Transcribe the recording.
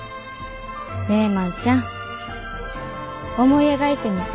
ねえ万ちゃん思い描いてみて。